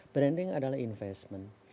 branding adalah investment